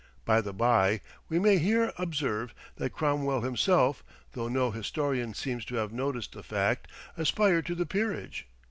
By the bye, we may here observe that Cromwell himself, though no historian seems to have noticed the fact, aspired to the peerage.